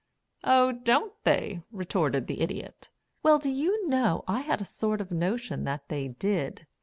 "Oh don't they," retorted the Idiot. "Well, do you know I had a sort of notion that they did.